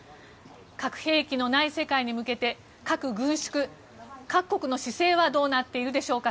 核兵器のない世界に向けて核軍縮各国の姿勢はどうなっているでしょうか。